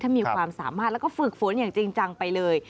ถ้ามีความสามารถแล้วก็ฝึกฝนอย่างจริงจังไปเลย